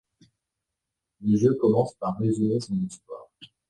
Le jeu commence par résumer son histoire.